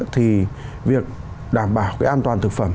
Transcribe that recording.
thì việc đảm bảo cái an toàn thực phẩm